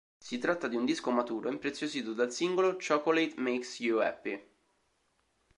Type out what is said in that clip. Si tratta di un disco maturo impreziosito dal singolo "Chocolate Makes You Happy".